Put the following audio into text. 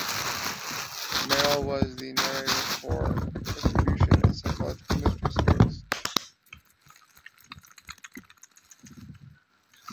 Merrill was the narrator for "Retribution", a "psychological mystery series.